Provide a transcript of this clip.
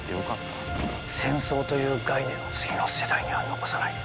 戦争という概念を次の世代には残さない。